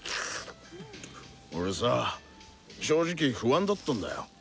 俺さ正直不安だったんだよ。